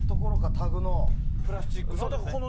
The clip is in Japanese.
タグのプラスチックの。